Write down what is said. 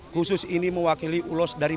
khusus ini mewakili ulos dari